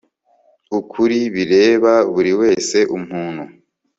ukuri bireba buri wese umuntu